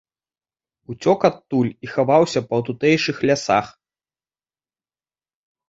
Уцёк адтуль і хаваўся па тутэйшых лясах.